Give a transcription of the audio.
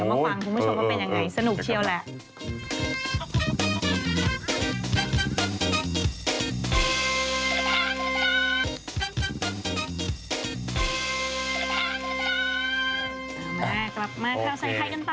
มาฟังคุณผู้ชมว่าเป็นยังไงสนุกเชียวแหละ